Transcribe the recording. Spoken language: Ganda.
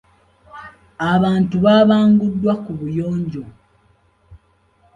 Abantu baabanguddwa ku buyonjo.